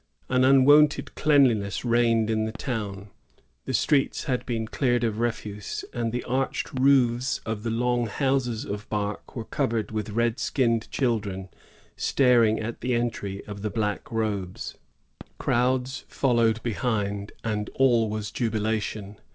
An unwonted cleanliness reigned in the town; the streets had been cleared of refuse, and the arched roofs of the long houses of bark were covered with red skinned children staring at the entry of the ^^ black robes." Crowds followed behind, and all was jubilation.